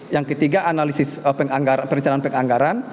yang ketiga analisis perencanaan penganggaran